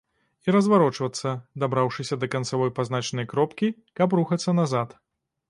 І разварочвацца, дабраўшыся да канцавой пазначанай кропкі, каб рухацца назад.